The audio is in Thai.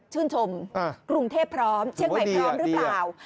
ฉื่นชมกรุงเทพฯพร้อมเข่งไหมพร้อมรึเปล่า